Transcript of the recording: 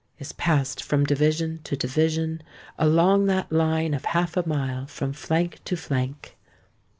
is passed from division to division, along that line of half a mile from flank to flank.